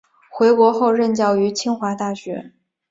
回国后任教于清华大学。